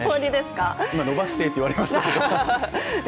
今、伸ばしてと言われましたから。